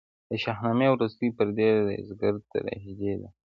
د شاهنامې وروستۍ پرده د یزدګُرد تراژیدي ده.